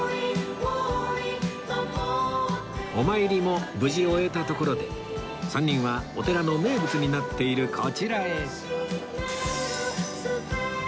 お参りも無事終えたところで３人はお寺の名物になっているこちらへ